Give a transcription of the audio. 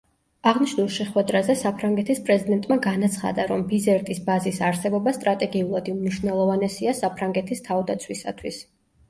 აღნიშნულ შეხვედრაზე საფრანგეთის პრეზიდენტმა განაცხადა, რომ ბიზერტის ბაზის არსებობა სტრატეგიულად უმნიშვნელოვანესია საფრანგეთის თავდაცვისათვის.